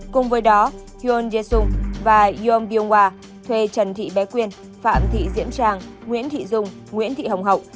cùng với đó yoon ye sun và yoon byung hwa thuê trần thị bé quyên phạm thị diễm trang nguyễn thị dung nguyễn thị hồng hậu